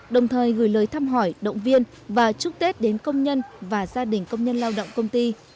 đồng thời gửi lời thăm hỏi động viên và chúc tết đến công nhân và gia đình công nhân lao động công ty